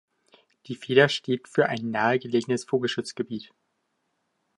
Die Feder steht für ein nahe gelegenes Vogelschutzgebiet.